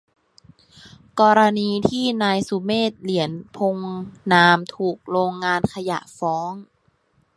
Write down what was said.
กรณีที่นายสุเมธ เหรียญพงษ์นาม ถูกโรงงานขยะฟ้อง